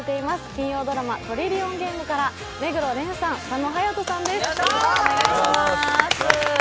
金曜ドラマ「トリリオンゲーム」から目黒蓮さん、佐野勇斗さんです。